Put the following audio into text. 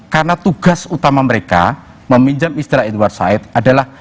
karena tugas utama mereka meminjam istilah edward said adalah